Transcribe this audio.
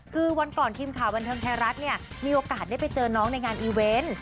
คือวันก่อนทีมข่าวบันเทิงไทยรัฐเนี่ยมีโอกาสได้ไปเจอน้องในงานอีเวนต์